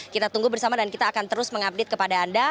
kita tunggu bersama dan kita akan terus mengupdate kepada anda